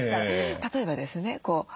例えばですね